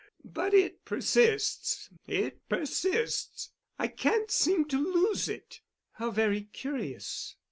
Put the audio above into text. But it persists—it persists. I can't seem to lose it." "How very curious."